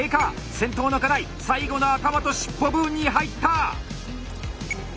先頭の金井最後の頭と尻尾部分に入った！